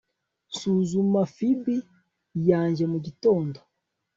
nsuzuma fb yanjye mugitondo